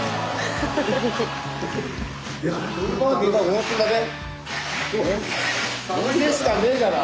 温泉しかねえから。